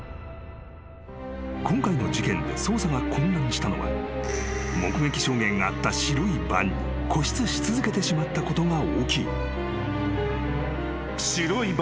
［今回の事件で捜査が混乱したのは目撃証言があった白いバンに固執し続けてしまったことが大きい］